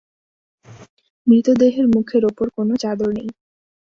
মৃতদেহের মুখের ওপর কোনো চাদর নেই।